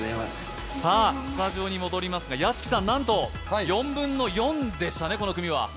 スタジオに戻りますが、屋敷さん、４分の４でしたね、この組は。